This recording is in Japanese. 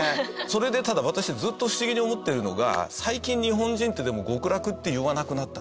それでただ私ずっと不思議に思ってるのが最近日本人ってでも聞かないですね。